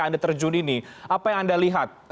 anda terjun ini apa yang anda lihat